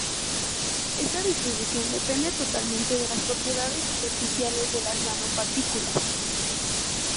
Esta distribución depende totalmente de las propiedades superficiales de las nanopartículas.